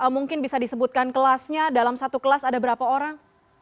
mungkin bisa disebutkan kelasnya dalam satu kelas ada berapa orang